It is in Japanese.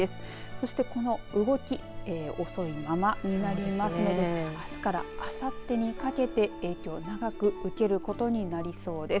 そして、この動き遅いままになりますのであすからあさってにかけて影響を長く受けることになりそうです。